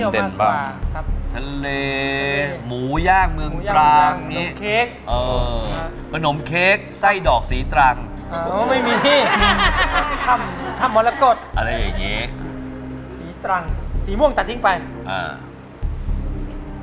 ทำทำอะไรอย่างเงี้ยสีตรังสีม่วงตัดทิ้งไปอ่า